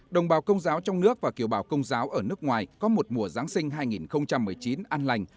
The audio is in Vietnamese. đồng bào công giáo trong nước và kiều bào công giáo ở nước ngoài có một mùa giáng sinh hai nghìn một mươi chín an lành